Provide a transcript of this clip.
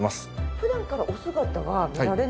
普段からお姿は見られない？